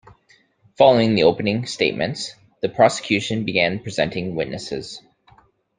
Following the opening statements, the prosecution began presenting witnesses.